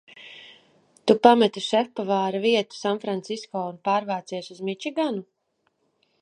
Tu pameti šefpavāra vietu Sanfrancisko un pārvācies uz Mičiganu?